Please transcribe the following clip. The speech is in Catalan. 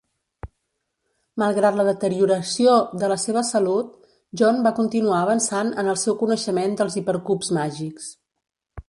Malgrat la deterioració de la seva salut, John va continuar avançant en el seu coneixement dels hipercubs màgics.